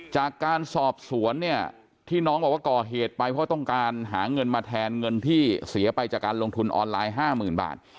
จากการสอบสวนเนี่ยที่น้องบอกว่าก่อเหตุไปเพราะต้องการหาเงินมาแทนเงินที่เสียไปจากการลงทุนออนไลน์๕๐๐๐บาท